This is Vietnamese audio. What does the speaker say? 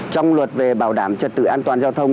trong luật về bảo đảm trật tự an toàn giao thông